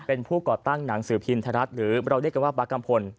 เป็นผู้ก่อตั้งหนังสือพิมพ์ไทยรัฐหรือเราเรียกกันว่าบาร์กัมพล